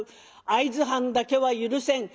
「会津藩だけは許せん。